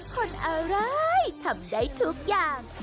คนอะไรทำได้ทุกอย่าง